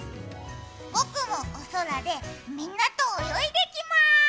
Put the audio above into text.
僕もお空でみんなと泳いできます。